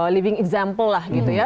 living azhample lah gitu ya